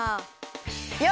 よし！